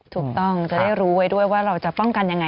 ถูกต้องจะได้รู้ไว้ด้วยว่าเราจะป้องกันยังไง